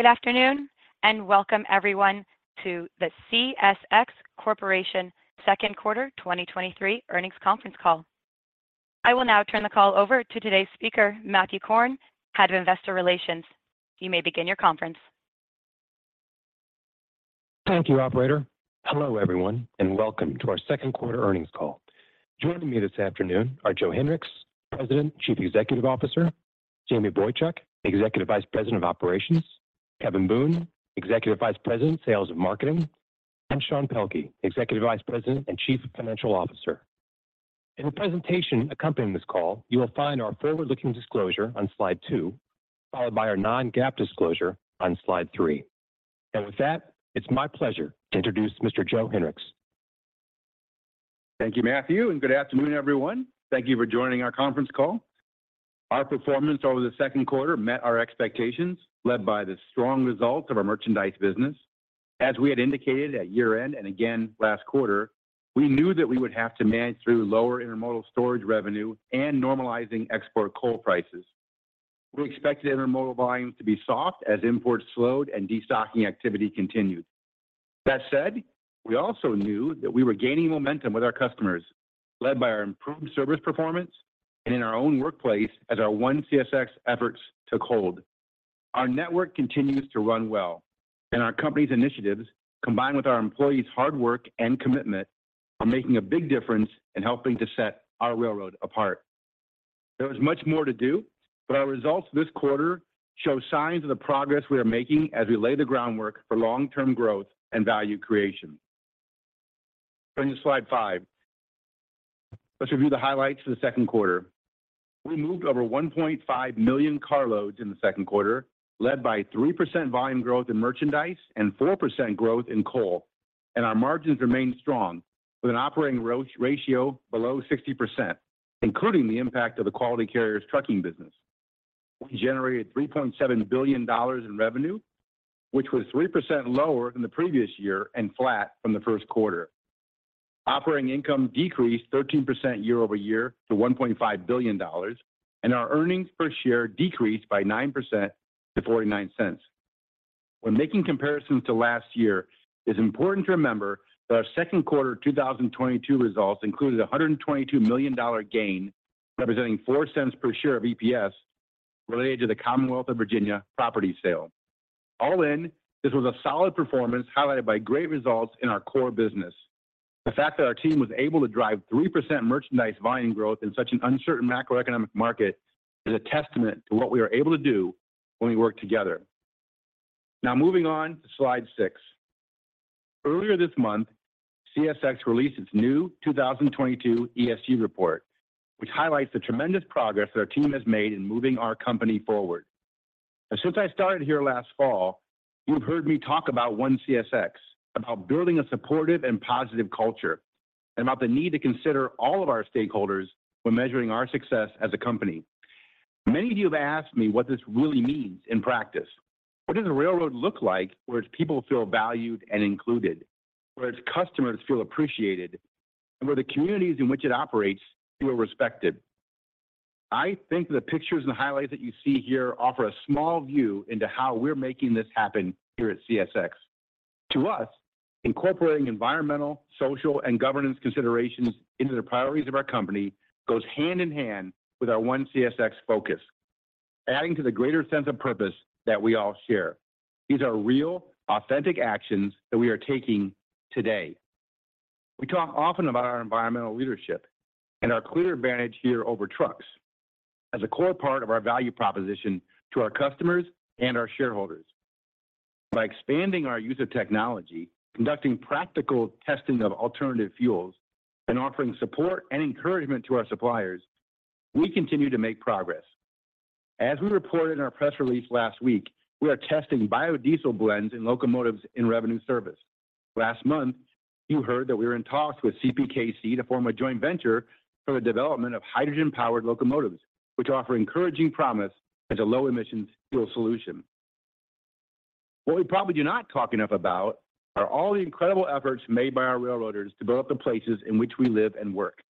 Good afternoon. Welcome everyone to the CSX Corporation Second Quarter 2023 earnings conference call. I will now turn the call over to today's speaker, Matthew Korn, Head of Investor Relations. You may begin your conference. Thank you, operator. Hello, everyone, and welcome to our second quarter earnings call. Joining me this afternoon are Joe Hinrichs, President, Chief Executive Officer, Jamie Boychuk, Executive Vice President of Operations, Kevin Boone, Executive Vice President, Sales and Marketing, and Sean Pelkey, Executive Vice President and Chief Financial Officer. In the presentation accompanying this call, you will find our forward-looking disclosure on slide 2, followed by our non-GAAP disclosure on slide 3. With that, it's my pleasure to introduce Mr. Joe Hinrichs. Thank you, Matthew. Good afternoon, everyone. Thank you for joining our conference call. Our performance over the second quarter met our expectations, led by the strong results of our merchandise business. As we had indicated at year-end and again last quarter, we knew that we would have to manage through lower intermodal storage revenue and normalizing export coal prices. We expected intermodal volumes to be soft as imports slowed and destocking activity continued. That said, we also knew that we were gaining momentum with our customers, led by our improved service performance and in our own workplace as our ONE CSX efforts took hold. Our network continues to run well. Our company's initiatives, combined with our employees' hard work and commitment, are making a big difference in helping to set our railroad apart. There is much more to do, but our results this quarter show signs of the progress we are making as we lay the groundwork for long-term growth and value creation. Turning to slide 5, let's review the highlights for the second quarter. We moved over 1.5 million carloads in the second quarter, led by 3% volume growth in merchandise and 4% growth in coal. Our margins remained strong with an operating ratio below 60%, including the impact of the Quality Carriers trucking business. We generated $3.7 billion in revenue, which was 3% lower than the previous year and flat from the first quarter. Operating income decreased 13% year-over-year to $1.5 billion, and our earnings per share decreased by 9% to $0.49. When making comparisons to last year, it's important to remember that our second quarter 2022 results included a $122 million gain, representing $0.04 per share of EPS, related to the Commonwealth of Virginia property sale. All in, this was a solid performance, highlighted by great results in our core business. The fact that our team was able to drive 3% merchandise volume growth in such an uncertain macroeconomic market is a testament to what we are able to do when we work together. Moving on to slide 6. Earlier this month, CSX released its new 2022 ESG report, which highlights the tremendous progress that our team has made in moving our company forward. Since I started here last fall, you've heard me talk about ONE CSX, about building a supportive and positive culture, and about the need to consider all of our stakeholders when measuring our success as a company. Many of you have asked me what this really means in practice. What does a railroad look like whereas people feel valued and included, whereas customers feel appreciated, and where the communities in which it operates feel respected? I think the pictures and highlights that you see here offer a small view into how we're making this happen here at CSX. To us, incorporating environmental, social, and governance considerations into the priorities of our company goes hand in hand with our ONE CSX focus, adding to the greater sense of purpose that we all share. These are real, authentic actions that we are taking today. We talk often about our environmental leadership and our clear advantage here over trucks as a core part of our value proposition to our customers and our shareholders. By expanding our use of technology, conducting practical testing of alternative fuels, and offering support and encouragement to our suppliers, we continue to make progress. As we reported in our press release last week, we are testing biodiesel blends in locomotives in revenue service. Last month, you heard that we were in talks with CPKC to form a joint venture for the development of hydrogen-powered locomotives, which offer encouraging promise as a low-emissions fuel solution. What we probably do not talk enough about are all the incredible efforts made by our railroaders to develop the places in which we live and work.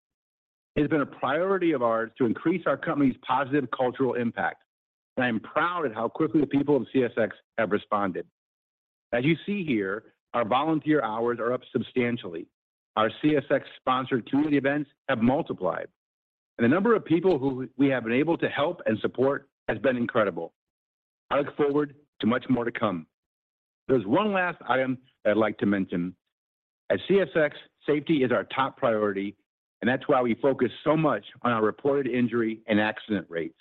It has been a priority of ours to increase our company's positive cultural impact. I am proud of how quickly the people of CSX have responded. As you see here, our volunteer hours are up substantially. Our CSX-sponsored community events have multiplied. The number of people who we have been able to help and support has been incredible. I look forward to much more to come. There's one last item I'd like to mention. At CSX, safety is our top priority. That's why we focus so much on our reported injury and accident rates.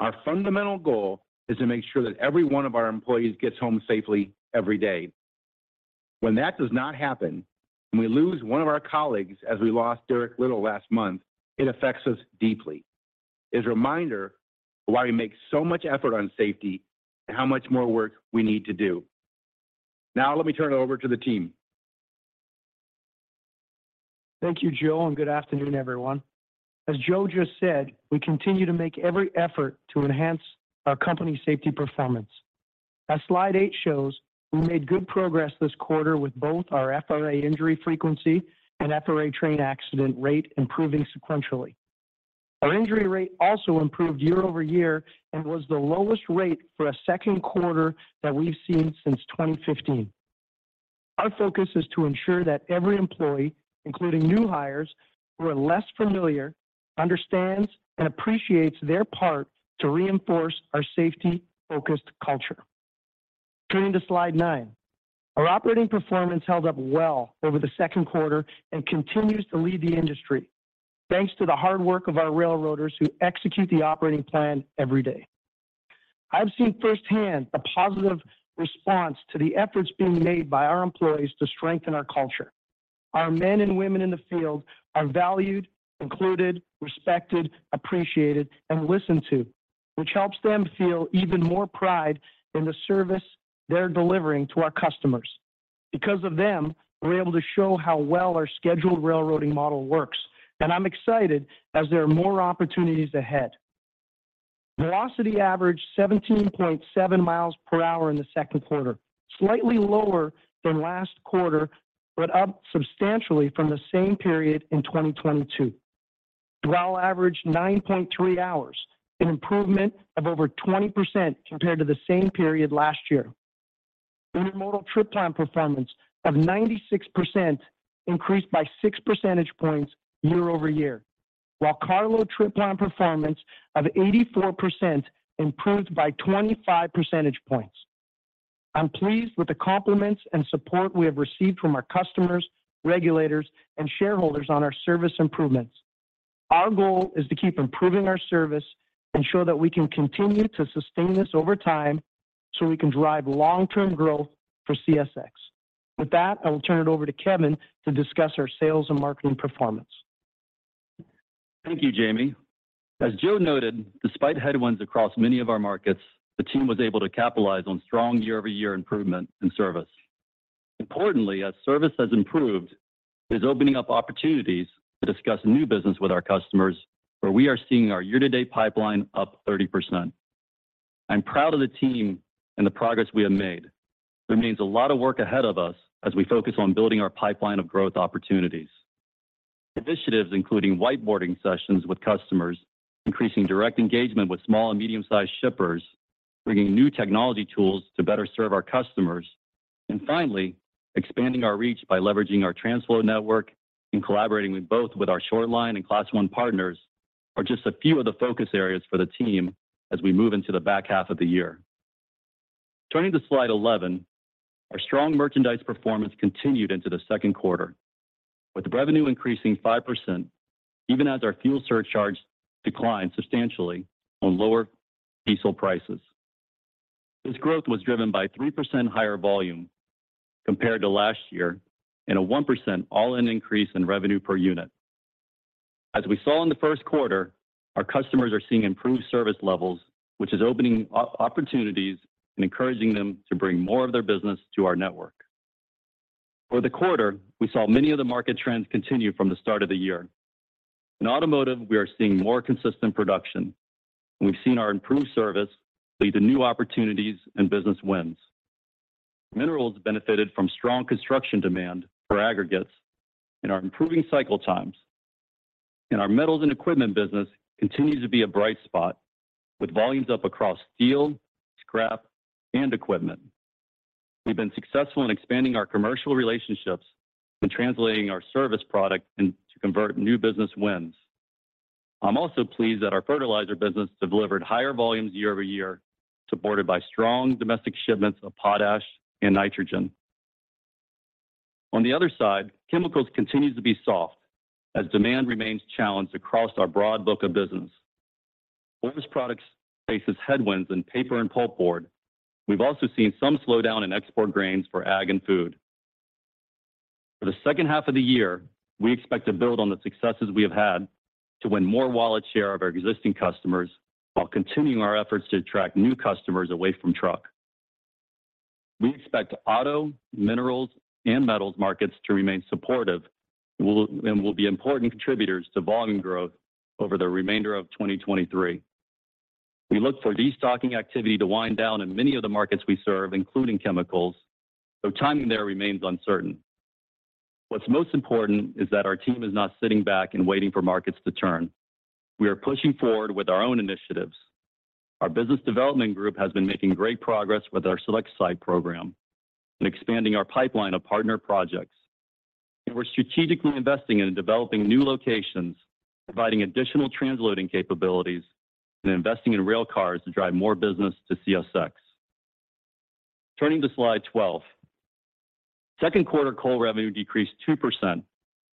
Our fundamental goal is to make sure that every one of our employees gets home safely every day. When that does not happen, we lose one of our colleagues, as we lost Derek Little last month, it affects us deeply. It's a reminder of why we make so much effort on safety and how much more work we need to do. Let me turn it over to the team. Thank you, Joe, and good afternoon, everyone. As Joe just said, we continue to make every effort to enhance our company's safety performance. As slide eight shows, we made good progress this quarter with both our FRA injury frequency and FRA train accident rate improving sequentially. Our injury rate also improved year-over-year and was the lowest rate for a second quarter that we've seen since 2015. Our focus is to ensure that every employee, including new hires who are less familiar, understands and appreciates their part to reinforce our safety-focused culture. Turning to slide 9, our operating performance held up well over the second quarter and continues to lead the industry, thanks to the hard work of our railroaders who execute the operating plan every day. I've seen firsthand the positive response to the efforts being made by our employees to strengthen our culture. Our men and women in the field are valued, included, respected, appreciated, and listened to, which helps them feel even more pride in the service they're delivering to our customers. Because of them, we're able to show how well our scheduled railroading model works, and I'm excited as there are more opportunities ahead. Velocity averaged 17.7 miles per hour in the second quarter, slightly lower than last quarter, but up substantially from the same period in 2022. Dwell averaged 9.3 hours, an improvement of over 20% compared to the same period last year. Intermodal trip time performance of 96% increased by 6 percentage points year-over-year, while carload trip time performance of 84% improved by 25 percentage points. I'm pleased with the compliments and support we have received from our customers, regulators, and shareholders on our service improvements. Our goal is to keep improving our service, ensure that we can continue to sustain this over time, so we can drive long-term growth for CSX. With that, I will turn it over to Kevin to discuss our sales and marketing performance. Thank you, Jamie. As Joe noted, despite headwinds across many of our markets, the team was able to capitalize on strong year-over-year improvement in service. Importantly, as service has improved, it is opening up opportunities to discuss new business with our customers, where we are seeing our year-to-date pipeline up 30%. I'm proud of the team and the progress we have made. There remains a lot of work ahead of us as we focus on building our pipeline of growth opportunities. Initiatives including whiteboarding sessions with customers, increasing direct engagement with small and medium-sized shippers, bringing new technology tools to better serve our customers, and finally, expanding our reach by leveraging our transload network and collaborating with both our short line and Class I partners, are just a few of the focus areas for the team as we move into the back half of the year. Turning to slide 11, our strong merchandise performance continued into the second quarter, with revenue increasing 5%, even as our fuel surcharge declined substantially on lower diesel prices. This growth was driven by 3% higher volume compared to last year and a 1% all-in increase in revenue per unit. As we saw in the first quarter, our customers are seeing improved service levels, which is opening opportunities and encouraging them to bring more of their business to our network. For the quarter, we saw many of the market trends continue from the start of the year. In automotive, we are seeing more consistent production. We've seen our improved service lead to new opportunities and business wins. Minerals benefited from strong construction demand for aggregates and our improving cycle times. Our metals and equipment business continues to be a bright spot, with volumes up across steel, scrap, and equipment. We've been successful in expanding our commercial relationships and translating our service product and to convert new business wins. I'm also pleased that our fertilizer business delivered higher volumes year-over-year, supported by strong domestic shipments of potash and nitrogen. On the other side, chemicals continues to be soft as demand remains challenged across our broad book of business. Forest products faces headwinds in paper and pulp board. We've also seen some slowdown in export grains for ag and food. For the second half of the year, we expect to build on the successes we have had to win more wallet share of our existing customers while continuing our efforts to attract new customers away from truck. We expect auto, minerals, and metals markets to remain supportive, and will be important contributors to volume growth over the remainder of 2023. We look for destocking activity to wind down in many of the markets we serve, including chemicals, though timing there remains uncertain. What's most important is that our team is not sitting back and waiting for markets to turn. We are pushing forward with our own initiatives. Our business development group has been making great progress with our Select Site program and expanding our pipeline of partner projects. We're strategically investing in developing new locations, providing additional transloading capabilities, and investing in rail cars to drive more business to CSX. Turning to slide 12, second quarter coal revenue decreased 2%,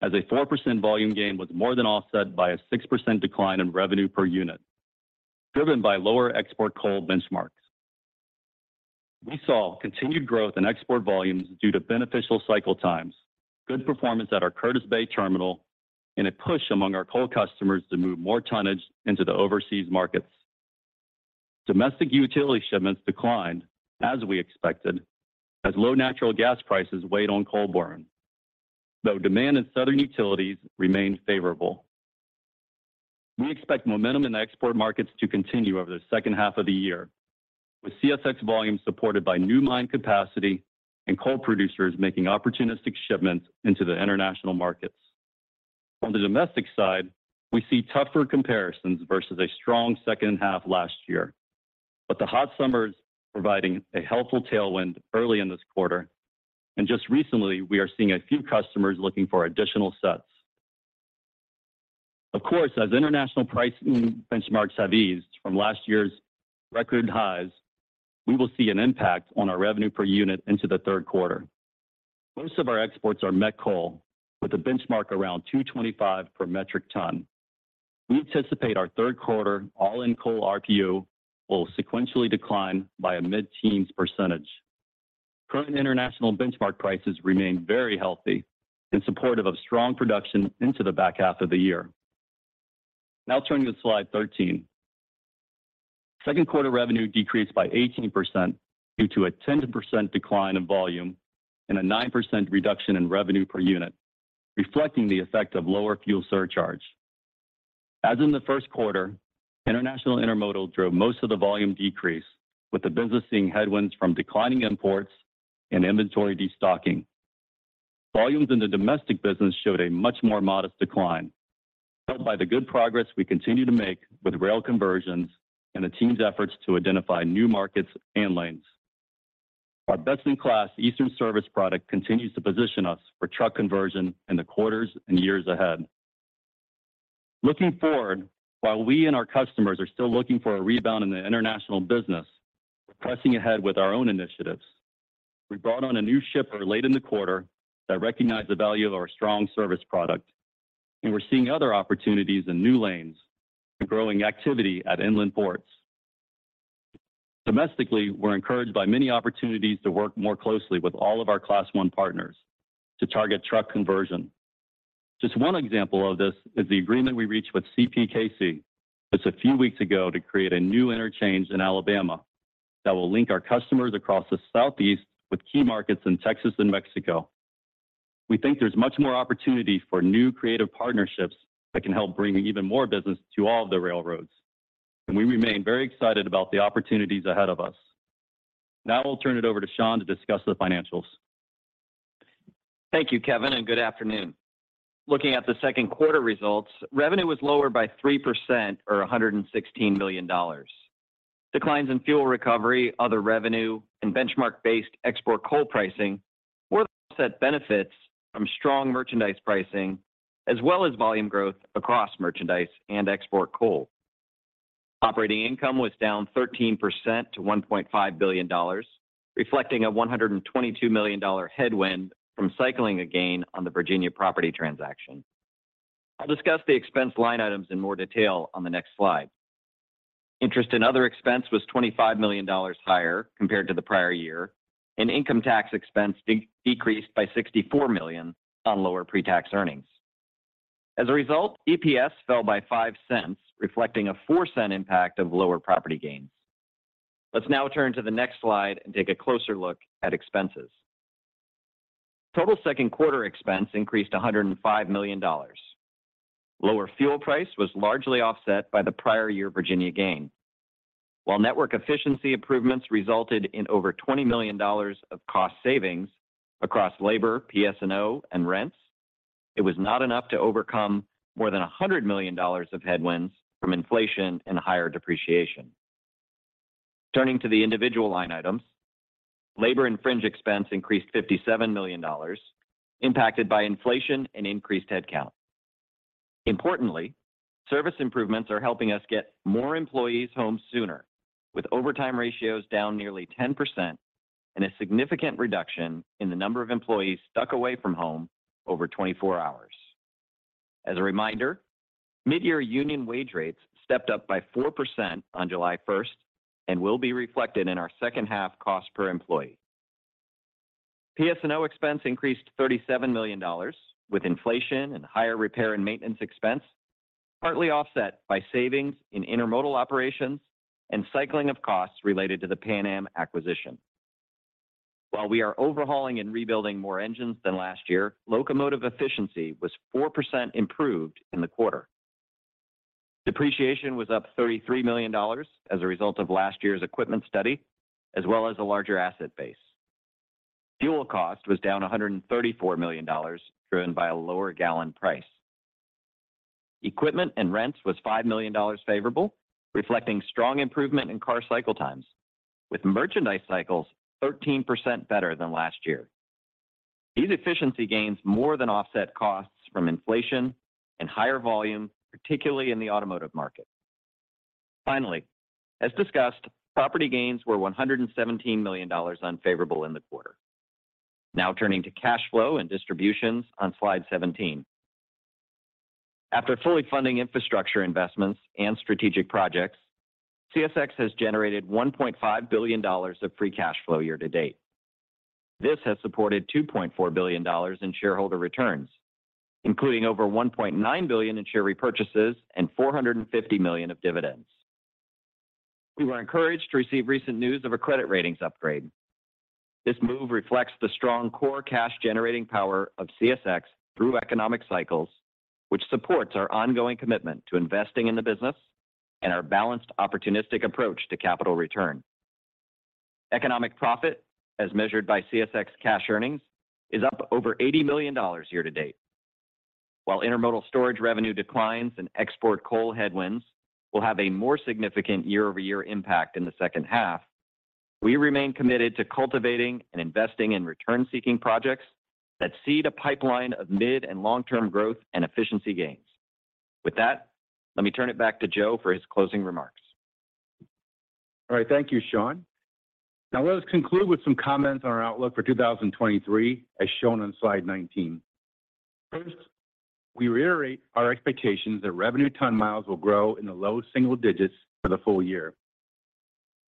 as a 4% volume gain was more than offset by a 6% decline in revenue per unit, driven by lower export coal benchmarks. We saw continued growth in export volumes due to beneficial cycle times, good performance at our Curtis Bay Terminal, and a push among our coal customers to move more tonnage into the overseas markets. Domestic utility shipments declined, as we expected, as low natural gas prices weighed on coal burn, though demand in southern utilities remains favorable. We expect momentum in the export markets to continue over the second half of the year. With CSX volume supported by new mine capacity and coal producers making opportunistic shipments into the international markets. On the domestic side, we see tougher comparisons versus a strong 2nd half last year, but the hot summer is providing a helpful tailwind early in this quarter, and just recently, we are seeing a few customers looking for additional sets. Of course, as international pricing benchmarks have eased from last year's record highs, we will see an impact on our RPU into the 3rd quarter. Most of our exports are met coal, with a benchmark around $225 per metric ton. We anticipate our 3rd quarter all-in coal RPU will sequentially decline by a mid-teens %. Current international benchmark prices remain very healthy and supportive of strong production into the back half of the year. Turning to slide 13. Second quarter revenue decreased by 18% due to a 10% decline in volume and a 9% reduction in revenue per unit, reflecting the effect of lower fuel surcharge. As in the first quarter, international intermodal drove most of the volume decrease, with the business seeing headwinds from declining imports and inventory destocking. By the good progress we continue to make with rail conversions and the team's efforts to identify new markets and lanes. Our best-in-class Eastern service product continues to position us for truck conversion in the quarters and years ahead. Looking forward, while we and our customers are still looking for a rebound in the international business, we're pressing ahead with our own initiatives. We brought on a new shipper late in the quarter that recognized the value of our strong service product, and we're seeing other opportunities in new lanes and growing activity at inland ports. Domestically, we're encouraged by many opportunities to work more closely with all of our Class I partners to target truck conversion. Just one example of this is the agreement we reached with CPKC just a few weeks ago to create a new interchange in Alabama that will link our customers across the Southeast with key markets in Texas and Mexico. We think there's much more opportunity for new creative partnerships that can help bring even more business to all of the railroads, and we remain very excited about the opportunities ahead of us. Now I'll turn it over to Sean to discuss the financials. Thank you, Kevin. Good afternoon. Looking at the second quarter results, revenue was lower by 3% or $116 million. Declines in fuel recovery, other revenue, and benchmark-based export coal pricing were the set benefits from strong merchandise pricing, as well as volume growth across merchandise and export coal. Operating income was down 13% to $1.5 billion, reflecting a $122 million headwind from cycling a gain on the Virginia property transaction. I'll discuss the expense line items in more detail on the next slide. Interest and other expense was $25 million higher compared to the prior year, and income tax expense decreased by $64 million on lower pre-tax earnings. As a result, EPS fell by $0.05, reflecting a $0.04 impact of lower property gains. Let's now turn to the next slide and take a closer look at expenses. Total second quarter expense increased $105 million. Lower fuel price was largely offset by the prior year Virginia gain. While network efficiency improvements resulted in over $20 million of cost savings across labor, PS&O, and rents, it was not enough to overcome more than $100 million of headwinds from inflation and higher depreciation. Turning to the individual line items, labor and fringe expense increased $57 million, impacted by inflation and increased headcount. Importantly, service improvements are helping us get more employees home sooner, with overtime ratios down nearly 10% and a significant reduction in the number of employees stuck away from home over 24 hours. As a reminder, midyear union wage rates stepped up by 4% on July first and will be reflected in our second half cost per employee. PS&O expense increased $37 million, with inflation and higher repair and maintenance expense, partly offset by savings in intermodal operations and cycling of costs related to the Pan Am acquisition. While we are overhauling and rebuilding more engines than last year, locomotive efficiency was 4% improved in the quarter. Depreciation was up $33 million as a result of last year's equipment study, as well as a larger asset base. Fuel cost was down $134 million, driven by a lower gallon price. Equipment and rents was $5 million favorable, reflecting strong improvement in car cycle times, with merchandise cycles 13% better than last year. These efficiency gains more than offset costs from inflation and higher volume, particularly in the automotive market. As discussed, property gains were $117 million unfavorable in the quarter. Turning to cash flow and distributions on slide 17. After fully funding infrastructure investments and strategic projects, CSX has generated $1.5 billion of free cash flow year to date. This has supported $2.4 billion in shareholder returns, including over $1.9 billion in share repurchases and $450 million of dividends. We were encouraged to receive recent news of a credit ratings upgrade. This move reflects the strong core cash-generating power of CSX through economic cycles, which supports our ongoing commitment to investing in the business and our balanced opportunistic approach to capital return. Economic profit, as measured by CSX Cash Earnings, is up over $80 million year-to-date. While intermodal storage revenue declines and export coal headwinds will have a more significant year-over-year impact in the second half, we remain committed to cultivating and investing in return-seeking projects that seed a pipeline of mid- and long-term growth and efficiency gains. With that, let me turn it back to Joe for his closing remarks. All right, thank you, Sean. Now, let us conclude with some comments on our outlook for 2023, as shown on slide 19. First, we reiterate our expectations that revenue ton miles will grow in the low single digits for the full year.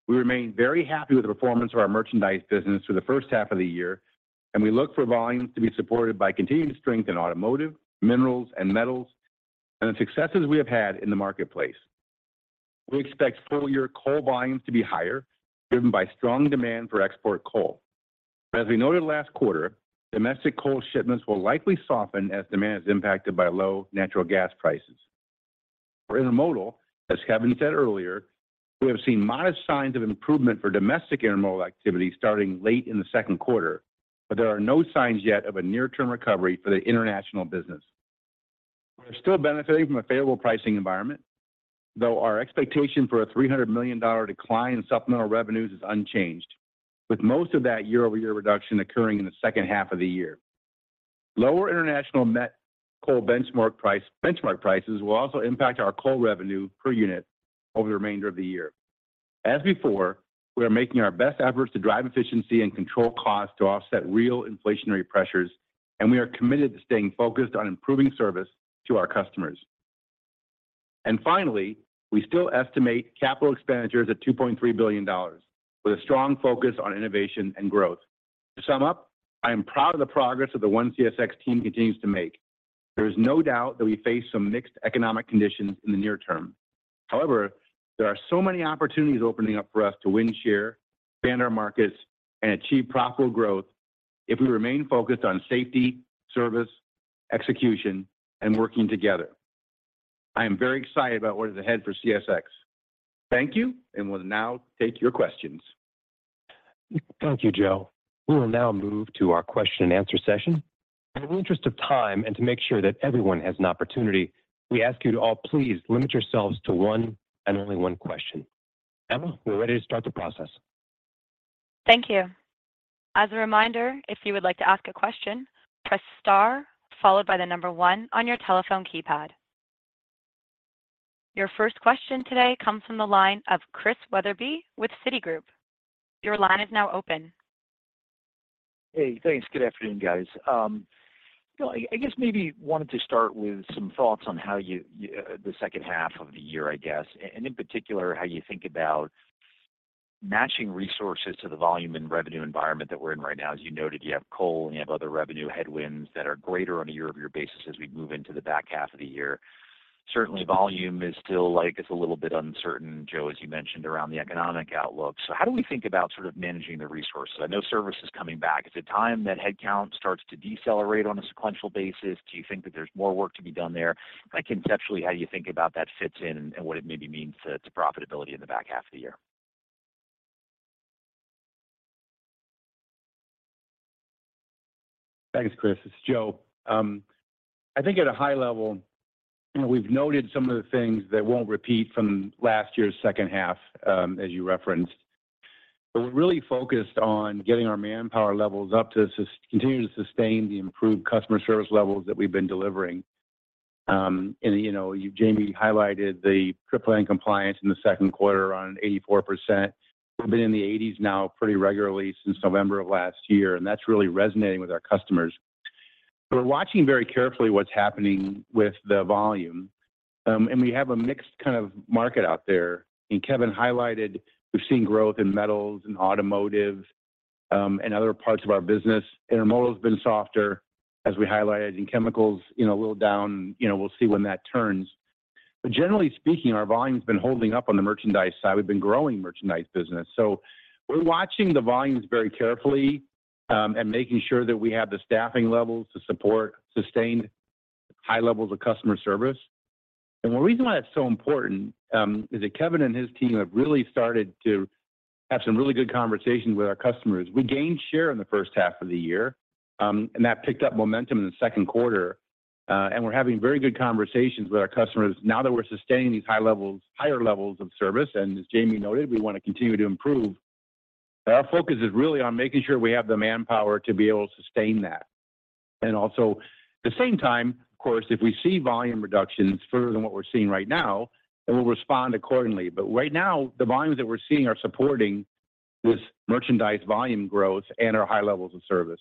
We remain very happy with the performance of our merchandise business for the first half of the year, and we look for volumes to be supported by continued strength in automotive, minerals, and metals, and the successes we have had in the marketplace. We expect full-year coal volumes to be higher, driven by strong demand for export coal. As we noted last quarter, domestic coal shipments will likely soften as demand is impacted by low natural gas prices. For intermodal, as Kevin said earlier, we have seen modest signs of improvement for domestic intermodal activity starting late in the second quarter, but there are no signs yet of a near-term recovery for the international business. We're still benefiting from a favorable pricing environment, though our expectation for a $300 million decline in supplemental revenues is unchanged, with most of that year-over-year reduction occurring in the second half of the year. Lower international met coal benchmark prices will also impact our coal revenue per unit over the remainder of the year. As before, we are making our best efforts to drive efficiency and control costs to offset real inflationary pressures, and we are committed to staying focused on improving service to our customers. Finally, we still estimate capital expenditures at $2.3 billion, with a strong focus on innovation and growth. To sum up, I am proud of the progress that the ONE CSX team continues to make. There is no doubt that we face some mixed economic conditions in the near term. However, there are so many opportunities opening up for us to win share, expand our markets, and achieve profitable growth if we remain focused on safety, service, execution, and working together. I am very excited about what is ahead for CSX. Thank you, and we'll now take your questions. Thank you, Joe. We will now move to our question and answer session. In the interest of time, and to make sure that everyone has an opportunity, we ask you to all please limit yourselves to one and only one question. Emma, we're ready to start the process. Thank you. As a reminder, if you would like to ask a question, press star followed by the number 1 on your telephone keypad. Your first question today comes from the line of Christian Wetherbee with Citigroup. Your line is now open. Hey, thanks. Good afternoon, guys. I guess maybe wanted to start with some thoughts on how you the second half of the year, and in particular, how you think about matching resources to the volume and revenue environment that we're in right now. As you noted, you have coal and you have other revenue headwinds that are greater on a year-over-year basis as we move into the back half of the year. Certainly, volume is still like it's a little bit uncertain, Joe, as you mentioned, around the economic outlook. How do we think about sort of managing the resources? I know service is coming back. Is it time that headcount starts to decelerate on a sequential basis? Do you think that there's more work to be done there? Like, conceptually, how do you think about that fits in and what it maybe means to profitability in the back half of the year? Thanks, Chris. It's Joe. I think at a high level, we've noted some of the things that won't repeat from last year's second half, as you referenced, but we're really focused on getting our manpower levels up to continue to sustain the improved customer service levels that we've been delivering. You know, Jamie highlighted the triple play and compliance in the second quarter on 84%. We've been in the 80s now pretty regularly since November of last year, and that's really resonating with our customers. We're watching very carefully what's happening with the volume, and we have a mixed kind of market out there. Kevin highlighted, we've seen growth in metals, and automotive, and other parts of our business. Intermodal's been softer, as we highlighted, and chemicals, you know, a little down. You know, we'll see when that turns. Generally speaking, our volume's been holding up on the merchandise side. We've been growing merchandise business. We're watching the volumes very carefully and making sure that we have the staffing levels to support sustained high levels of customer service. The reason why it's so important is that Kevin and his team have really started to have some really good conversations with our customers. We gained share in the first half of the year, and that picked up momentum in the second quarter. We're having very good conversations with our customers now that we're sustaining these higher levels of service, and as Jamie noted, we want to continue to improve. Our focus is really on making sure we have the manpower to be able to sustain that. Also, at the same time, of course, if we see volume reductions further than what we're seeing right now, then we'll respond accordingly. Right now, the volumes that we're seeing are supporting with merchandise volume growth and our high levels of service.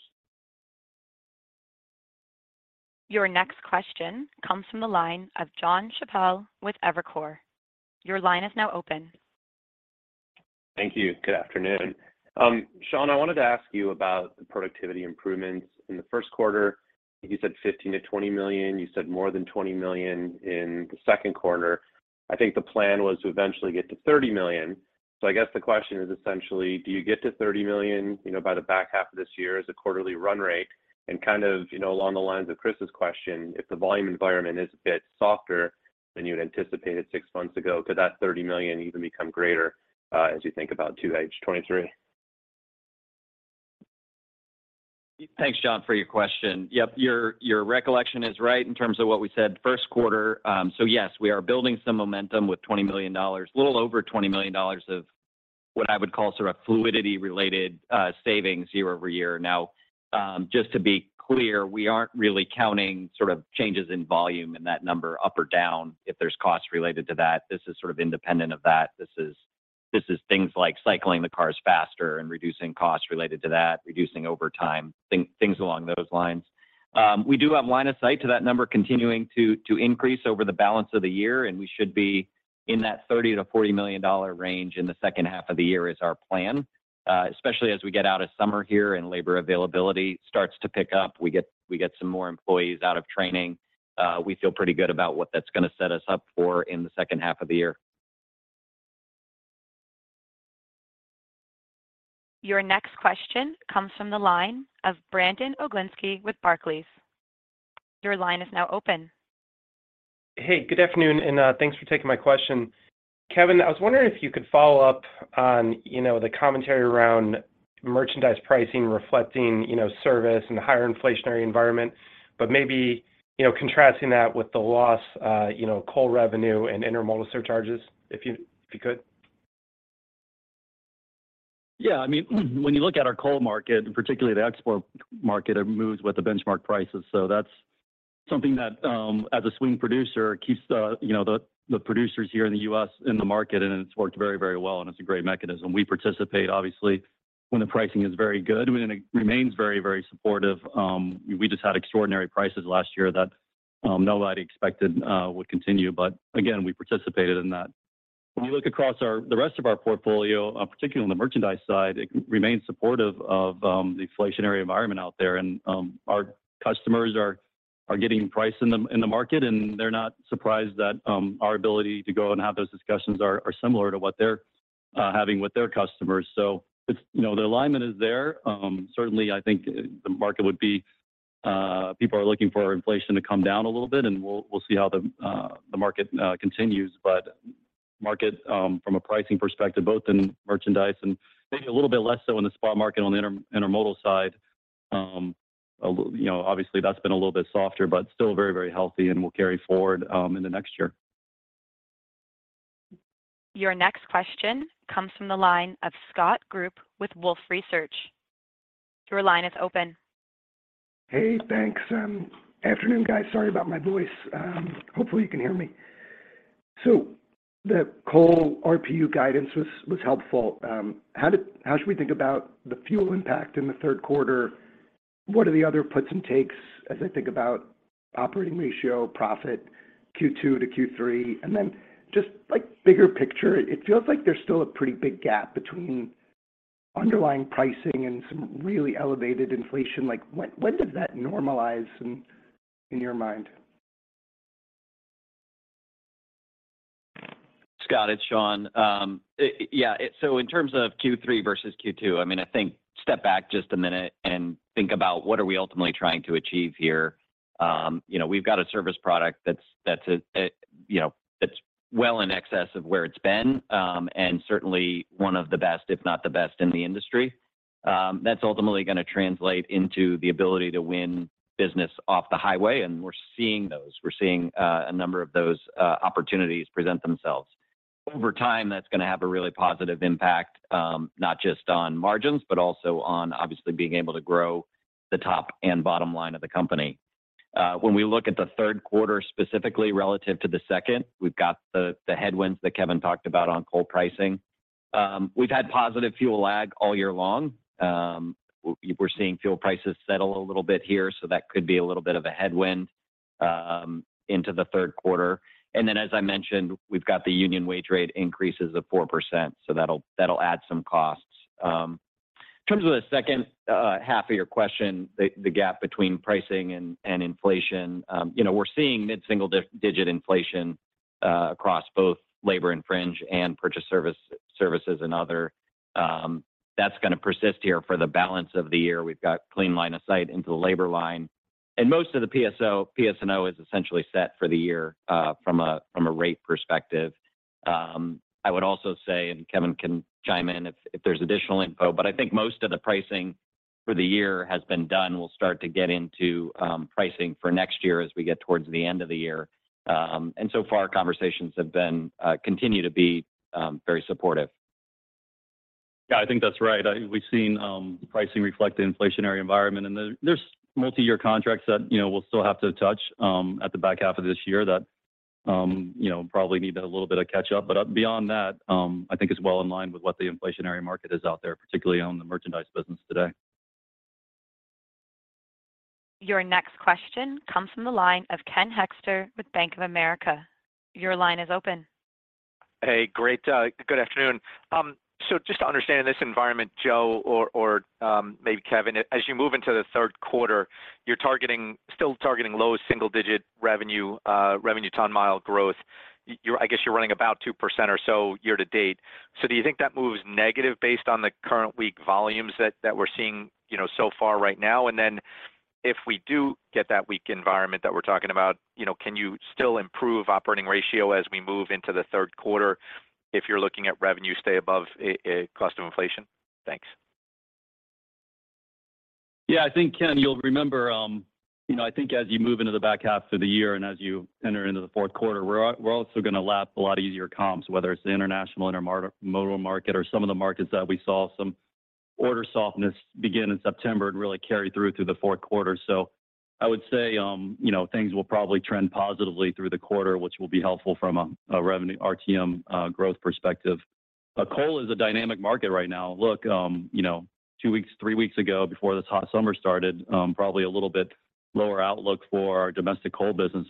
Your next question comes from the line of Jonathan Chappell with Evercore. Your line is now open. Thank you. Good afternoon. Sean, I wanted to ask you about the productivity improvements in the first quarter. You said $15 million-$20 million, you said more than $20 million in the second quarter. I think the plan was to eventually get to $30 million. I guess the question is essentially, do you get to $30 million, you know, by the back half of this year as a quarterly run rate? Kind of, you know, along the lines of Chris's question, if the volume environment is a bit softer than you had anticipated six months ago, could that $30 million even become greater as you think about 2H 2023? Thanks, John, for your question. Yep, your recollection is right in terms of what we said first quarter. Yes, we are building some momentum with $20 million, a little over $20 million of what I would call sort of fluidity-related savings year-over-year. Just to be clear, we aren't really counting sort of changes in volume in that number up or down, if there's costs related to that. This is sort of independent of that. This is things like cycling the cars faster and reducing costs related to that, reducing overtime, things along those lines. We do have line of sight to that number continuing to increase over the balance of the year, we should be in that $30 million-$40 million range in the second half of the year, is our plan. Especially as we get out of summer here and labor availability starts to pick up, we get some more employees out of training. We feel pretty good about what that's gonna set us up for in the second half of the year. Your next question comes from the line of Brandon Oglenski with Barclays. Your line is now open. Hey, good afternoon, and thanks for taking my question. Kevin, I was wondering if you could follow up on, you know, the commentary around merchandise pricing, reflecting, you know, service and the higher inflationary environment, but maybe, you know, contrasting that with the loss, you know, coal revenue and intermodal surcharges, if you could. I mean, when you look at our coal market, particularly the export market, it moves with the benchmark prices. That's something that, as a swing producer, keeps the, you know, the producers here in the U.S. in the market, and it's worked very, very well, and it's a great mechanism. We participate, obviously, when the pricing is very good, when it remains very, very supportive. We just had extraordinary prices last year that nobody expected would continue, but again, we participated in that. When we look across the rest of our portfolio, particularly on the merchandise side, it remains supportive of the inflationary environment out there. Our customers are getting priced in the market, and they're not surprised that our ability to go and have those discussions are similar to what they're having with their customers. You know, the alignment is there. Certainly, I think the market would be, people are looking for inflation to come down a little bit, and we'll see how the market continues. Market, from a pricing perspective, both in merchandise and maybe a little bit less so in the spot market on the intermodal side, a little, you know, obviously, that's been a little bit softer, but still very healthy and will carry forward in the next year. Your next question comes from the line of Scott Group with Wolfe Research. Your line is open. Hey, thanks. Afternoon, guys. Sorry about my voice. Hopefully, you can hear me. The coal RPU guidance was helpful. How should we think about the fuel impact in the third quarter? What are the other puts and takes as I think about operating ratio, profit, Q2 to Q3? Just, like, bigger picture, it feels like there's still a pretty big gap between underlying pricing and some really elevated inflation. Like, when does that normalize in your mind? Scott, it's Sean. yeah, in terms of Q3 versus Q2, I mean, I think step back just a minute and think about what are we ultimately trying to achieve here. you know, we've got a service product that's, you know, that's well in excess of where it's been, certainly one of the best, if not the best in the industry. that's ultimately gonna translate into the ability to win business off the highway. We're seeing those. We're seeing a number of those opportunities present themselves. Over time, that's gonna have a really positive impact, not just on margins, but also on obviously being able to grow the top and bottom line of the company. When we look at the third quarter, specifically relative to the second, we've got the headwinds that Kevin talked about on coal pricing. We've had positive fuel lag all year long. We're seeing fuel prices settle a little bit here, so that could be a little bit of a headwind into the third quarter. Then, as I mentioned, we've got the union wage rate increases of 4%, so that'll add some costs. In terms of the second half of your question, the gap between pricing and inflation, you know, we're seeing mid-single digit inflation across both labor and fringe, and purchase services and other. That's gonna persist here for the balance of the year. We've got clean line of sight into the labor line, and most of the PS&O is essentially set for the year, from a rate perspective. I would also say, and Kevin can chime in if there's additional info, but I think most of the pricing for the year has been done. We'll start to get into pricing for next year as we get towards the end of the year. So far, conversations have been continue to be very supportive. Yeah, I think that's right. We've seen pricing reflect the inflationary environment, and there's multi-year contracts that, you know, we'll still have to touch at the back half of this year that, you know, probably need a little bit of catch-up. Beyond that, I think it's well in line with what the inflationary market is out there, particularly on the merchandise business today. Your next question comes from the line of Ken Hoexter with Bank of America. Your line is open. Hey, great, good afternoon. Just to understand this environment, Joe, or maybe Kevin, as you move into the third quarter, you're still targeting low single-digit revenue ton mile growth. I guess you're running about 2% or so year-to-date. Do you think that moves negative based on the current weak volumes that we're seeing, you know, so far right now? If we do get that weak environment that we're talking about, you know, can you still improve operating ratio as we move into the third quarter, if you're looking at revenue, stay above a cost of inflation? Thanks. I think, Ken, you'll remember, you know, I think as you move into the back half of the year, as you enter into the fourth quarter, we're also going to lap a lot easier comps, whether it's the international intermodal market or some of the markets that we saw some order softness begin in September and really carry through to the fourth quarter. I would say, you know, things will probably trend positively through the quarter, which will be helpful from a revenue RTM growth perspective. Coal is a dynamic market right now. Look, you know, two weeks, three weeks ago, before this hot summer started, probably a little bit lower outlook for our domestic coal business.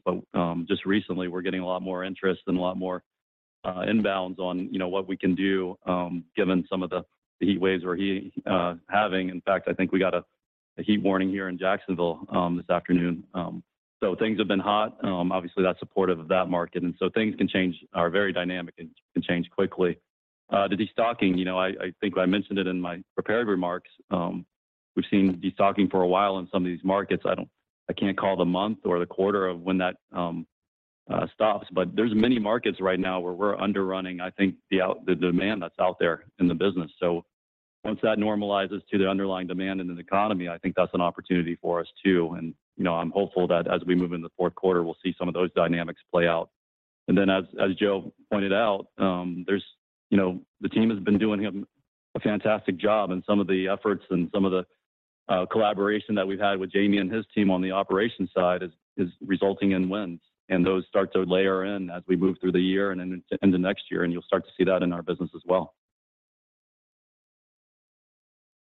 Just recently, we're getting a lot more interest and a lot more inbounds on, you know, what we can do, given some of the heat waves we're having. In fact, I think we got a heat warning here in Jacksonville this afternoon. Things have been hot. Obviously, that's supportive of that market, and so things can change, are very dynamic and can change quickly. The destocking, you know, I think I mentioned it in my prepared remarks. We've seen destocking for a while in some of these markets. I can't call the month or the quarter of when that stops, but there's many markets right now where we're underrunning, I think the demand that's out there in the business. Once that normalizes to the underlying demand in the economy, I think that's an opportunity for us too. You know, I'm hopeful that as we move into the fourth quarter, we'll see some of those dynamics play out. As Joe pointed out, there's, you know, the team has been doing a fantastic job, and some of the efforts and some of the collaboration that we've had with Jamie and his team on the operations side is resulting in wins. Those start to layer in as we move through the year and then into next year, and you'll start to see that in our business as well.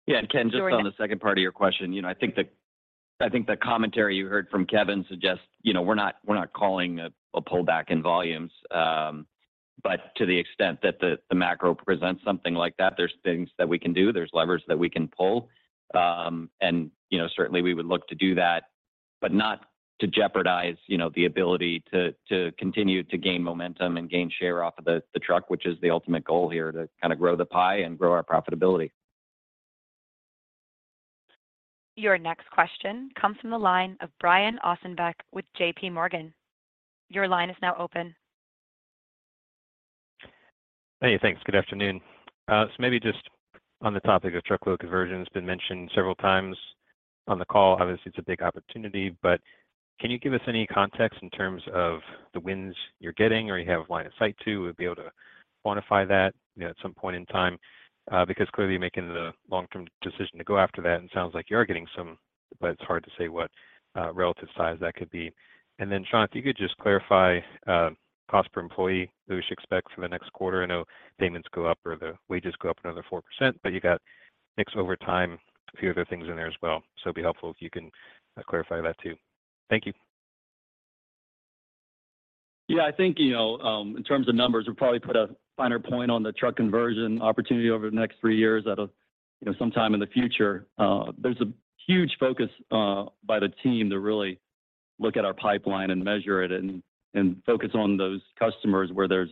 Yeah, Ken, just on the second part of your question, you know, I think the commentary you heard from Kevin suggests, you know, we're not calling a pullback in volumes. To the extent that the macro presents something like that, there's things that we can do, there's levers that we can pull. You know, certainly, we would look to do that, but not to jeopardize, you know, the ability to continue to gain momentum and gain share off of the truck, which is the ultimate goal here, to kind of grow the pie and grow our profitability. Your next question comes from the line of Brian Ossenbeck with J.P. Morgan. Your line is now open. Hey, thanks. Good afternoon. Maybe just on the topic of truckload conversion, it's been mentioned several times on the call. Obviously, it's a big opportunity, but can you give us any context in terms of the wins you're getting or you have line of sight to, would be able to quantify that, you know, at some point in time? Because clearly you're making the long-term decision to go after that, and sounds like you're getting some, but it's hard to say what relative size that could be. Then, Sean, if you could just clarify cost per employee that we should expect for the next quarter. I know payments go up or the wages go up another 4%, but you got mix over time, a few other things in there as well. It'd be helpful if you can clarify that too. Thank you. I think, in terms of numbers, we'll probably put a finer point on the truck conversion opportunity over the next three years at a sometime in the future. There's a huge focus by the team to really look at our pipeline and measure it and focus on those customers where there's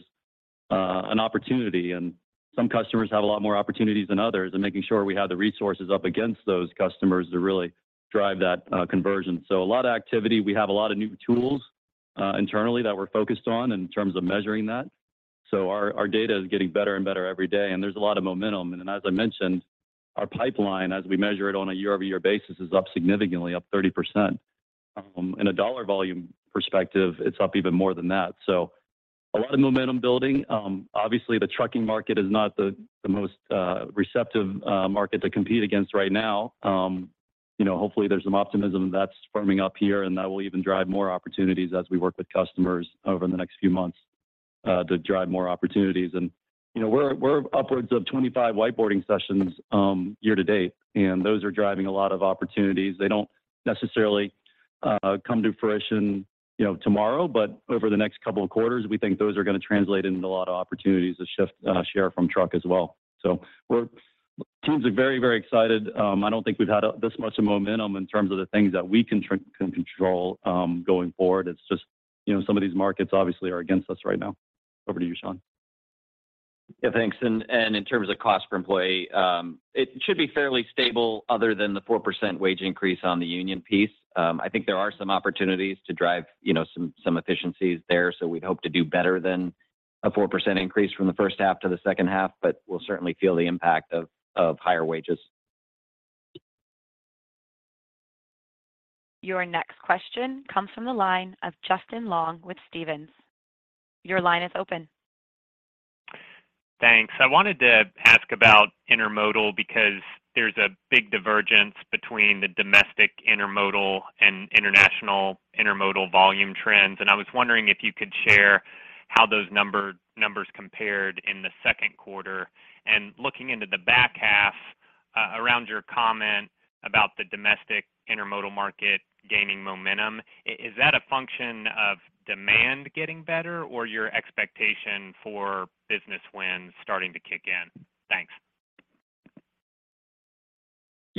an opportunity. Some customers have a lot more opportunities than others, and making sure we have the resources up against those customers to really drive that conversion. A lot of activity. We have a lot of new tools internally that we're focused on in terms of measuring that. Our data is getting better and better every day, and there's a lot of momentum. As I mentioned, our pipeline, as we measure it on a year-over-year basis, is up significantly, up 30%. In a dollar volume perspective, it's up even more than that. A lot of momentum building. Obviously, the trucking market is not the most receptive market to compete against right now. You know, hopefully, there's some optimism that's firming up here, and that will even drive more opportunities as we work with customers over the next few months to drive more opportunities. You know, we're upwards of 25 whiteboarding sessions year to date, and those are driving a lot of opportunities. They don't necessarily come to fruition, you know, tomorrow, but over the next couple of quarters, we think those are going to translate into a lot of opportunities to shift share from truck as well. Teams are very, very excited. I don't think we've had this much momentum in terms of the things that we can control going forward. It's just, you know, some of these markets obviously are against us right now. Over to you, Sean. Yeah, thanks. In terms of cost per employee, it should be fairly stable other than the 4% wage increase on the union piece. I think there are some opportunities to drive, you know, some efficiencies there, so we'd hope to do better than a 4% increase from the first half to the second half, but we'll certainly feel the impact of higher wages. Your next question comes from the line of Justin Long with Stephens. Your line is open. Thanks. I wanted to ask about intermodal, because there's a big divergence between the domestic intermodal and international intermodal volume trends. I was wondering if you could share how those numbers compared in the second quarter? Looking into the back half-... Around your comment about the domestic intermodal market gaining momentum, is that a function of demand getting better, or your expectation for business wins starting to kick in? Thanks.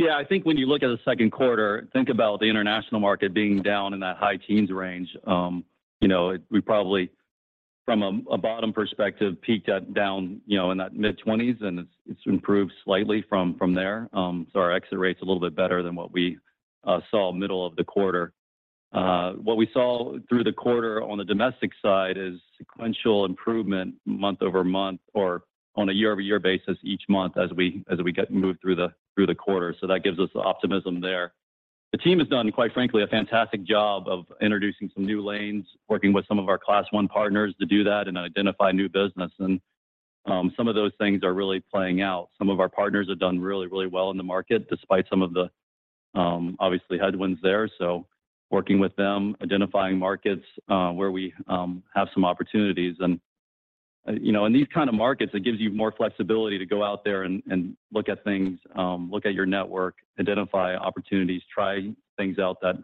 I think when you look at the second quarter, think about the international market being down in that high teens range. You know, we probably, from a bottom perspective, peaked at down, you know, in that mid-20s, and it's improved slightly from there. Our exit rate's a little bit better than what we saw middle of the quarter. What we saw through the quarter on the domestic side is sequential improvement month-over-month or on a year-over-year basis each month as we get moved through the quarter, so that gives us the optimism there. The team has done, quite frankly, a fantastic job of introducing some new lanes, working with some of our Class I partners to do that and identify new business, and some of those things are really playing out. Some of our partners have done really, really well in the market, despite some of the, obviously, headwinds there, so working with them, identifying markets, where we, have some opportunities. You know, in these kind of markets, it gives you more flexibility to go out there and look at things, look at your network, identify opportunities, try things out that,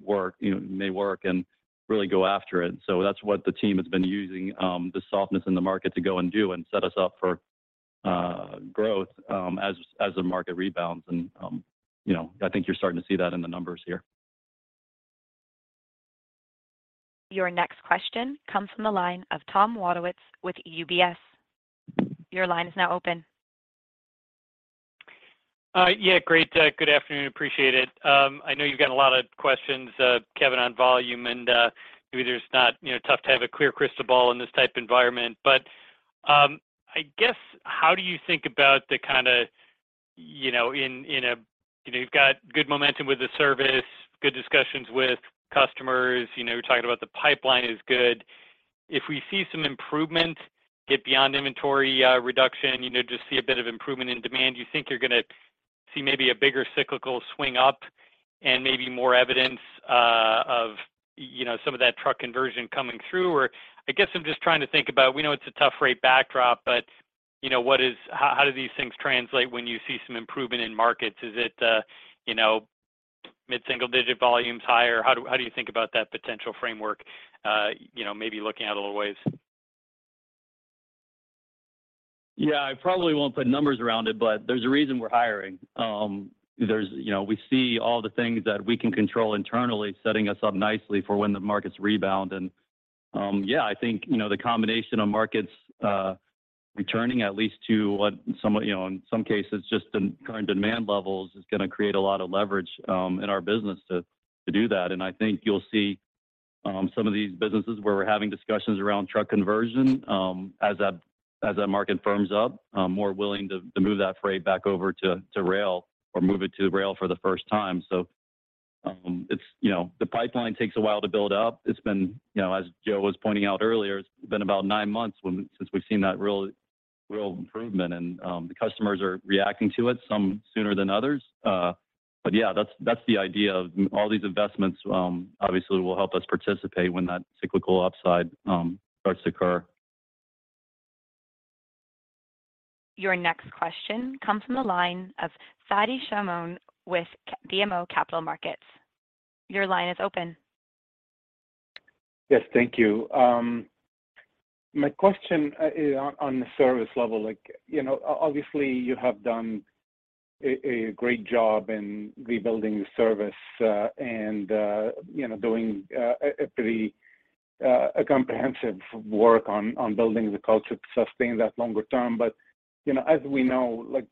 work, you know, may work, and really go after it. That's what the team has been using, the softness in the market to go and do, and set us up for, growth, as the market rebounds. You know, I think you're starting to see that in the numbers here. Your next question comes from the line of Tom Wadewitz with UBS. Your line is now open. Yeah, great. Good afternoon. Appreciate it. I know you've got a lot of questions, Kevin, on volume, and maybe there's not. You know, tough to have a clear crystal ball in this type of environment. I guess, how do you think about the kind of, you know, you've got good momentum with the service, good discussions with customers, you know, you're talking about the pipeline is good. If we see some improvement, get beyond inventory reduction, you know, just see a bit of improvement in demand, do you think you're gonna see maybe a bigger cyclical swing up and maybe more evidence of, you know, some of that truck conversion coming through? I guess I'm just trying to think about, we know it's a tough rate backdrop, you know, How do these things translate when you see some improvement in markets? Is it, you know, mid-single digit volumes higher? How do you think about that potential framework, you know, maybe looking out a little ways? Yeah. I probably won't put numbers around it, but there's a reason we're hiring. You know, we see all the things that we can control internally, setting us up nicely for when the markets rebound. Yeah, I think, you know, the combination of markets returning at least to what some of, you know, in some cases, just the current demand levels, is gonna create a lot of leverage in our business to do that. I think you'll see some of these businesses where we're having discussions around truck conversion as that market firms up more willing to move that freight back over to rail or move it to rail for the first time. It's, you know, the pipeline takes a while to build up. It's been, you know, as Joe was pointing out earlier, it's been about nine months since we've seen that real improvement. The customers are reacting to it, some sooner than others. Yeah, that's the idea of all these investments, obviously, will help us participate when that cyclical upside starts to occur. Your next question comes from the line of Fadi Chamoun with BMO Capital Markets. Your line is open. Yes. Thank you. My question is on the service level, like, you know, obviously, you have done a great job in rebuilding the service, and, you know, doing a pretty comprehensive work on building the culture to sustain that longer term. But, you know, as we know, like,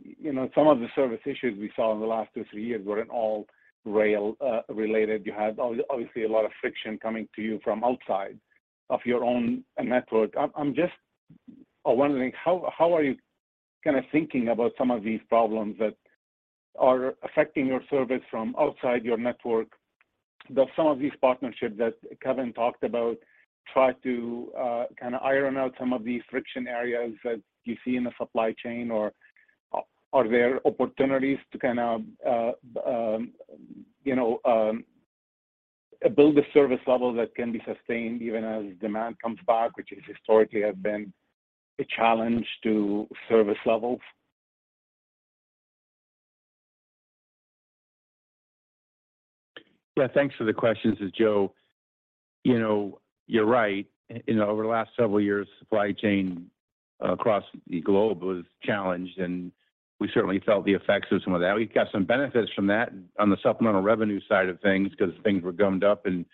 you know, some of the service issues we saw in the last 2, 3 years weren't all rail related. You had obviously, a lot of friction coming to you from outside of your own network. I'm just wondering, how are you kind of thinking about some of these problems that are affecting your service from outside your network? Do some of these partnerships that Kevin talked about try to kind of iron out some of these friction areas that you see in the supply chain, or are there opportunities to kind of, you know, build a service level that can be sustained even as demand comes back, which is historically have been a challenge to service levels? Yeah, thanks for the question. This is Joe. You know, you're right. You know, over the last several years, supply chain across the globe was challenged, and we certainly felt the effects of some of that. We got some benefits from that on the supplemental revenue side of things, because things were gummed up in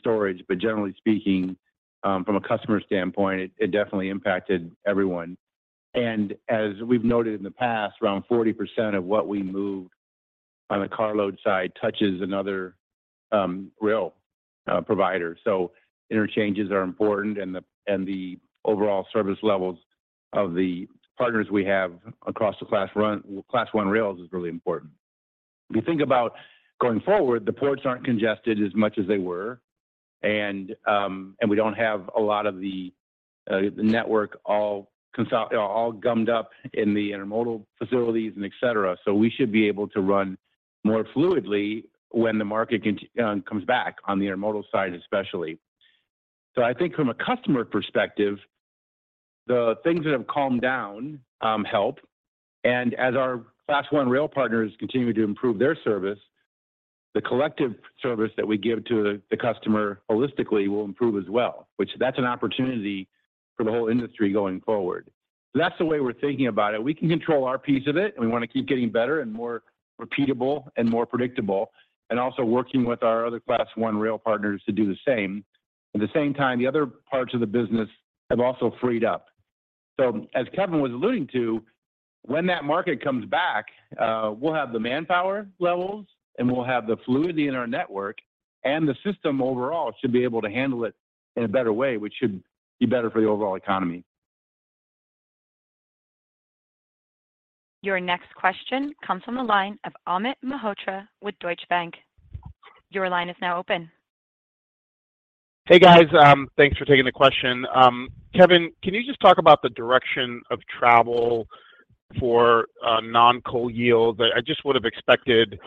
storage. Generally speaking, from a customer standpoint, it definitely impacted everyone. As we've noted in the past, around 40% of what we moved on the carload side touches another rail provider, so interchanges are important, and the overall service levels of the partners we have across the Class I rails is really important. If you think about going forward, the ports aren't congested as much as they were, we don't have a lot of the network all gummed up in the intermodal facilities and et cetera, we should be able to run more fluidly when the market comes back on the intermodal side, especially. I think from a customer perspective. The things that have calmed down, help. As our Class I rail partners continue to improve their service, the collective service that we give to the customer holistically will improve as well, which that's an opportunity for the whole industry going forward. That's the way we're thinking about it. We can control our piece of it, and we wanna keep getting better and more repeatable and more predictable, and also working with our other Class I rail partners to do the same. At the same time, the other parts of the business have also freed up. As Kevin was alluding to, when that market comes back, we'll have the manpower levels, and we'll have the fluidity in our network, and the system overall should be able to handle it in a better way, which should be better for the overall economy. Your next question comes from the line of Amit Mehrotra with Deutsche Bank. Your line is now open. Hey, guys. Thanks for taking the question. Kevin, can you just talk about the direction of travel for non-coal yield? I just would've expected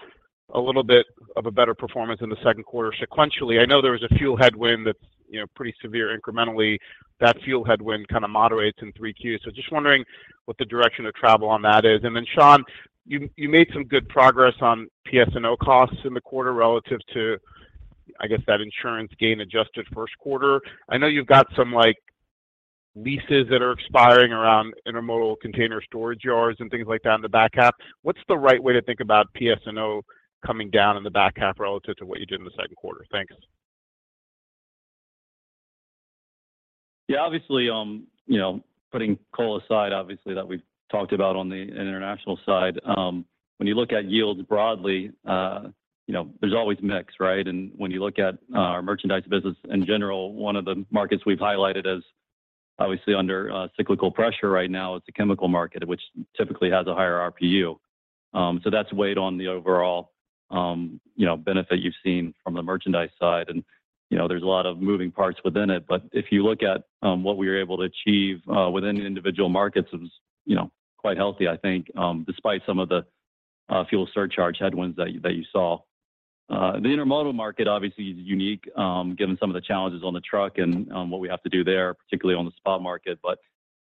a little bit of a better performance in the 2nd quarter sequentially. I know there was a fuel headwind that's, you know, pretty severe incrementally. That fuel headwind kind of moderates in 3Q, so just wondering what the direction of travel on that is. Sean, you made some good progress on PS&O costs in the quarter relative to, I guess, that insurance gain-adjusted 1st quarter. I know you've got some, like, leases that are expiring around intermodal container storage yards and things like that in the back half. What's the right way to think about PS&O coming down in the back half relative to what you did in the 2nd quarter? Thanks. Obviously, you know, putting coal aside, obviously, that we've talked about on the international side, when you look at yields broadly, you know, there's always mix, right? When you look at our merchandise business in general, one of the markets we've highlighted as obviously under cyclical pressure right now is the chemical market, which typically has a higher RPU. That's weighed on the overall, you know, benefit you've seen from the merchandise side, and, you know, there's a lot of moving parts within it. If you look at what we were able to achieve within the individual markets, it was, you know, quite healthy, I think, despite some of the fuel surcharge headwinds that you saw. The intermodal market obviously is unique, given some of the challenges on the truck and what we have to do there, particularly on the spot market.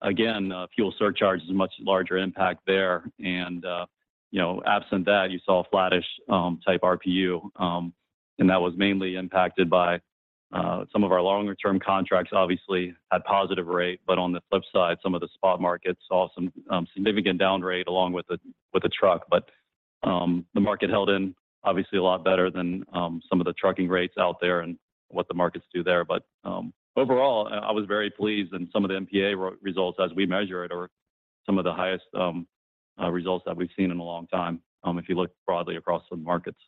Again, fuel surcharge is a much larger impact there, and, you know, absent that, you saw a flattish type RPU, and that was mainly impacted by some of our longer term contracts obviously had positive rate. On the flip side, some of the spot markets saw some significant down rate along with the, with the truck. The market held in obviously a lot better than some of the trucking rates out there and what the markets do there. Overall, I was very pleased, and some of the MPA results, as we measure it, are some of the highest results that we've seen in a long time, if you look broadly across the markets.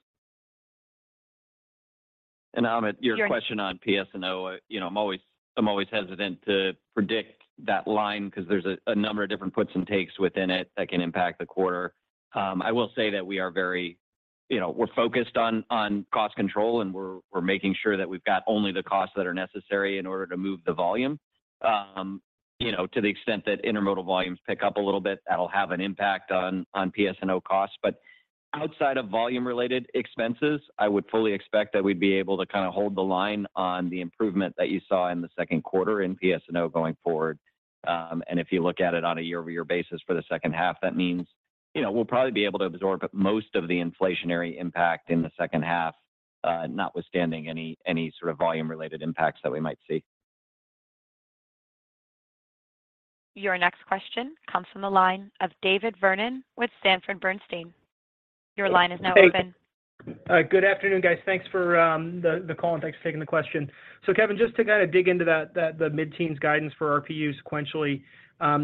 Amit, your question. Sure... on PS&O, you know, I'm always hesitant to predict that line 'cause there's a number of different puts and takes within it that can impact the quarter. I will say that we are you know, we're focused on cost control, and we're making sure that we've got only the costs that are necessary in order to move the volume. You know, to the extent that intermodal volumes pick up a little bit, that'll have an impact on PS&O costs. Outside of volume-related expenses, I would fully expect that we'd be able to kind of hold the line on the improvement that you saw in the second quarter in PS&O going forward. If you look at it on a year-over-year basis for the second half, that means, you know, we'll probably be able to absorb most of the inflationary impact in the second half, notwithstanding any sort of volume-related impacts that we might see. Your next question comes from the line of David Vernon with Sanford Bernstein. Your line is now open. Good afternoon, guys. Thanks for the call, and thanks for taking the question. Kevin, just to kind of dig into that, the mid-teens guidance for RPU sequentially,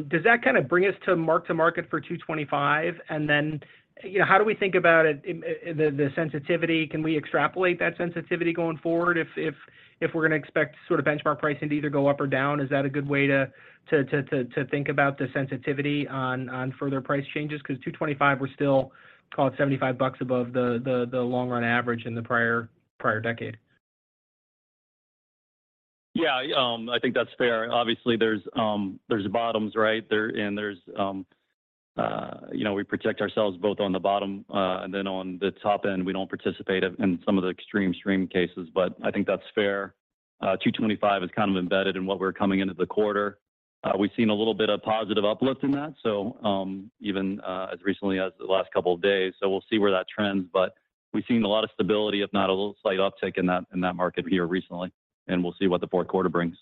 does that kind of bring us to mark-to-market for 225? Then, you know, how do we think about it, the sensitivity? Can we extrapolate that sensitivity going forward if we're gonna expect sort of benchmark pricing to either go up or down, is that a good way to think about the sensitivity on further price changes? 'Cause 225, we're still call it $75 above the long-run average in the prior decade. Yeah, I think that's fair. Obviously, there's bottoms, right? There's, you know, we protect ourselves both on the bottom, and then on the top end, we don't participate in some of the extreme cases. I think that's fair. $225 is kind of embedded in what we're coming into the quarter. We've seen a little bit of positive uplift in that, even as recently as the last couple of days. We'll see where that trends. We've seen a lot of stability, if not a little slight uptick in that market here recently, and we'll see what the fourth quarter brings.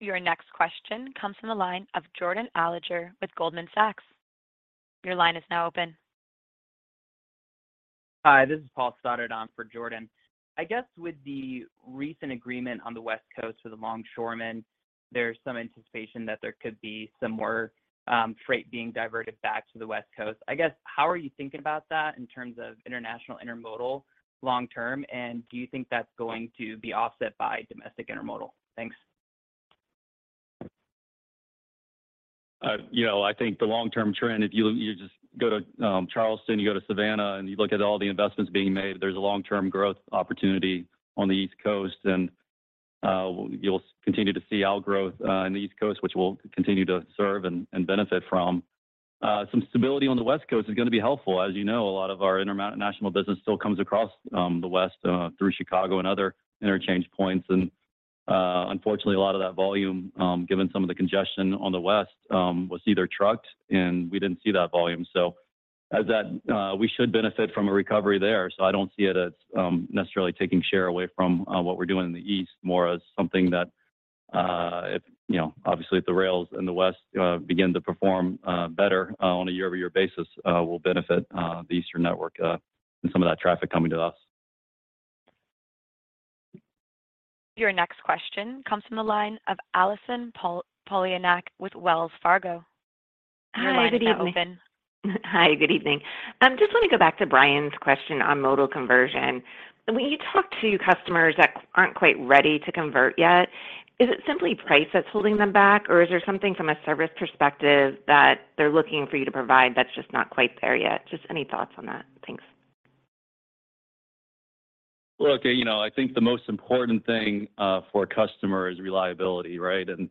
Your next question comes from the line of Jordan Alliger with Goldman Sachs. Your line is now open. Hi, this is Paul Stoddard on for Jordan. I guess with the recent agreement on the West Coast for the longshoremen, there's some anticipation that there could be some more freight being diverted back to the West Coast. I guess, how are you thinking about that in terms of international intermodal long term, and do you think that's going to be offset by domestic intermodal? Thanks. You know, I think the long-term trend, if you just go to Charleston, you go to Savannah, and you look at all the investments being made, there's a long-term growth opportunity on the East Coast. You'll continue to see outgrowth in the East Coast, which we'll continue to serve and benefit from. Some stability on the West Coast is going to be helpful. As you know, a lot of our international business still comes across the West through Chicago and other interchange points. Unfortunately, a lot of that volume, given some of the congestion on the West, was either trucked and we didn't see that volume. As that, we should benefit from a recovery there, so I don't see it as necessarily taking share away from what we're doing in the East, more as something that, if, you know, obviously, if the rails in the West begin to perform better on a year-over-year basis, will benefit the Eastern network and some of that traffic coming to us. Your next question comes from the line of Allison Poliniak with Wells Fargo. Hi, good evening. Your line is now open. Hi, good evening. Just want to go back to Brian's question on modal conversion. When you talk to customers that aren't quite ready to convert yet, is it simply price that's holding them back, or is there something from a service perspective that they're looking for you to provide that's just not quite there yet? Just any thoughts on that? Thanks. Well, okay, you know, I think the most important thing for a customer is reliability, right? You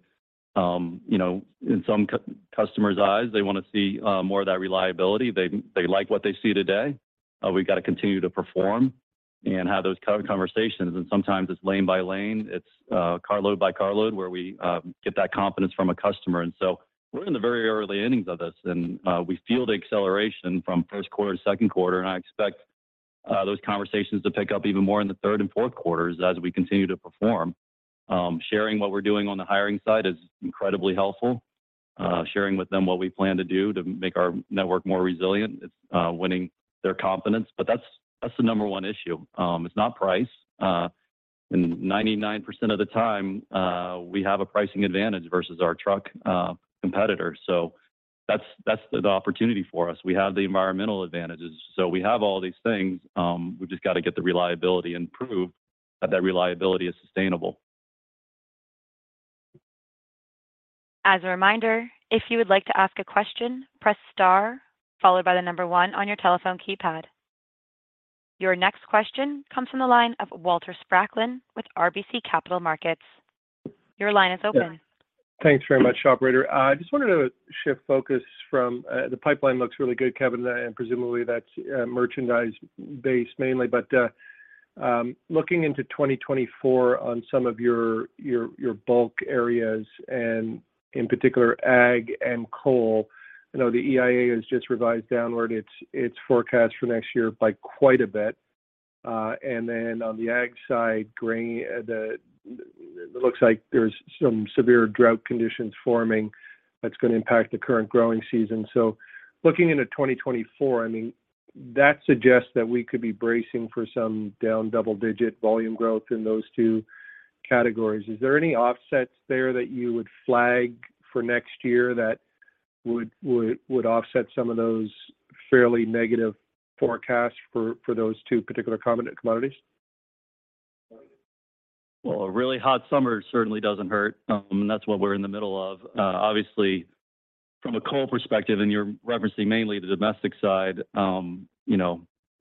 know, in some customers' eyes, they want to see more of that reliability. They like what they see today. We've got to continue to perform and have those conversations, sometimes it's lane by lane, it's carload by carload, where we get that confidence from a customer. We're in the very early innings of this, we feel the acceleration from first quarter to second quarter, I expect those conversations to pick up even more in the third and fourth quarters as we continue to perform. Sharing what we're doing on the hiring side is incredibly helpful. Sharing with them what we plan to do to make our network more resilient, it's winning their confidence, but that's the number one issue. It's not price. 99% of the time, we have a pricing advantage versus our truck competitor. That's the opportunity for us. We have the environmental advantages, so we have all these things, we just got to get the reliability and prove that reliability is sustainable. As a reminder, if you would like to ask a question, press star, followed by 1 on your telephone keypad. Your next question comes from the line of Walter Spracklin with RBC Capital Markets. Your line is open. Yeah. Thanks very much, operator. I just wanted to shift focus from the pipeline looks really good, Kevin, and presumably, that's merchandise-based mainly. Looking into 2024 on some of your bulk areas, and in particular, ag and coal, I know the EIA has just revised downward its forecast for next year by quite a bit. And then on the ag side, grain, looks like there's some severe drought conditions forming that's going to impact the current growing season. Looking into 2024, I mean, that suggests that we could be bracing for some down double-digit volume growth in those two categories. Is there any offsets there that you would flag for next year that would offset some of those fairly negative forecasts for those two particular commodities? Well, a really hot summer certainly doesn't hurt. That's what we're in the middle of. Obviously, from a coal perspective, and you know, you're referencing mainly the domestic side,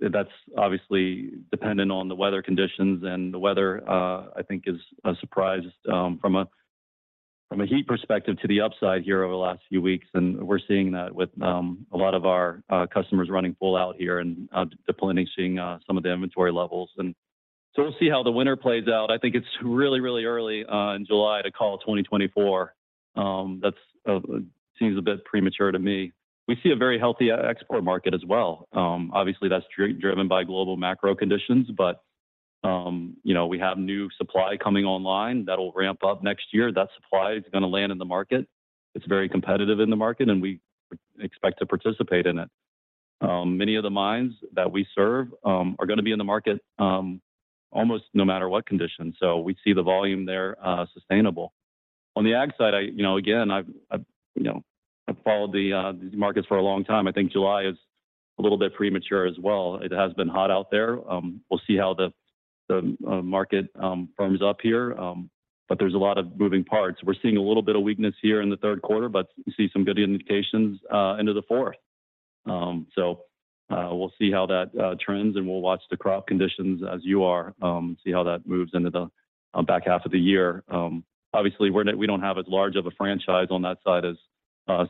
that's obviously dependent on the weather conditions, and the weather, I think is a surprise, from a heat perspective to the upside here over the last few weeks. We're seeing that with a lot of our customers running full out here and depleting, seeing some of the inventory levels. We'll see how the winter plays out. I think it's really, really early in July to call 2024. That seems a bit premature to me. We see a very healthy export market as well. Obviously, that's driven by global macro conditions, but, you know, we have new supply coming online that will ramp up next year. That supply is going to land in the market. It's very competitive in the market, and we expect to participate in it. Many of the mines that we serve, are going to be in the market, almost no matter what conditions. We see the volume there, sustainable. On the ag side, I, you know, again, I've, you know, I've followed the markets for a long time. I think July is a little bit premature as well. It has been hot out there. We'll see how the market firms up here, but there's a lot of moving parts. We're seeing a little bit of weakness here in the third quarter, but we see some good indications into the fourth. We'll see how that trends, and we'll watch the crop conditions as you are, see how that moves into the back half of the year. Obviously, we don't have as large of a franchise on that side as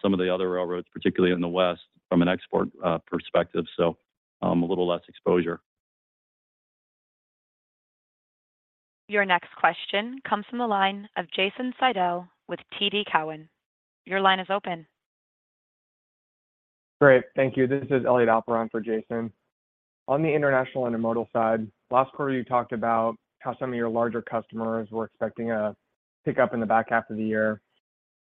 some of the other railroads, particularly in the West, from an export perspective, a little less exposure. Your next question comes from the line of Jason Seidl with TD Cowen. Your line is open. Great. Thank you. This is Elliot Alper for Jason. On the international and intermodal side, last quarter, you talked about how some of your larger customers were expecting a pickup in the back half of the year.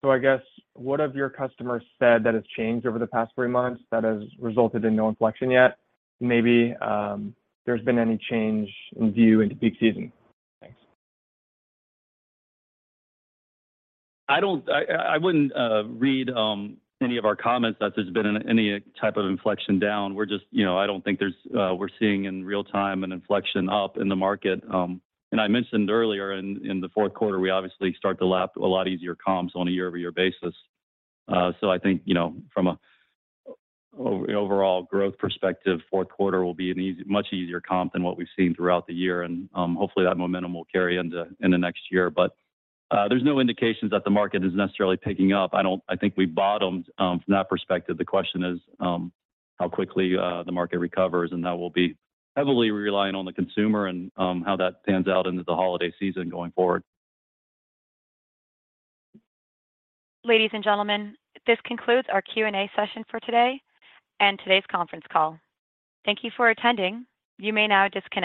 I guess, what have your customers said that has changed over the past three months that has resulted in no inflection yet? Maybe, there's been any change in view into peak season? Thanks. I wouldn't read any of our comments that there's been any type of inflection down. We're just, you know, I don't think there's. We're seeing in real time an inflection up in the market. I mentioned earlier, in the fourth quarter, we obviously start to lap a lot easier comps on a year-over-year basis. I think, you know, from an overall growth perspective, fourth quarter will be a much easier comp than what we've seen throughout the year, and hopefully, that momentum will carry into the next year. There's no indications that the market is necessarily picking up. I think we bottomed from that perspective. The question is, how quickly the market recovers, and that will be heavily relying on the consumer and how that pans out into the holiday season going forward. Ladies and gentlemen, this concludes our Q&A session for today and today's conference call. Thank you for attending. You may now disconnect.